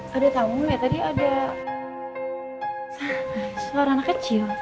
pada tau me tadi ada suara anak kecil